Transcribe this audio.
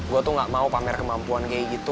gue tuh nggak mau pamer kemampuan gay gitu